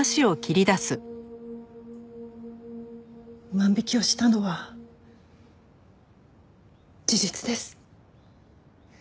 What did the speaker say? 万引きをしたのは事実です。